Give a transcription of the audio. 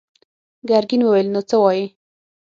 ګرګين وويل: نو څه وايې؟